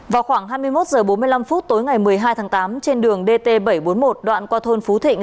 vào khoảng hai mươi một h bốn mươi năm tối ngày một mươi hai tháng tám trên đường dt bảy trăm bốn mươi một đoạn qua thôn phú thịnh